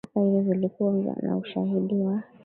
ya viraka hivi vilikuwa na ushahidi wa